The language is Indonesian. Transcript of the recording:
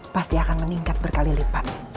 pasti akan meningkat berkali lipat